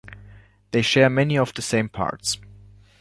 They share many of the same parts.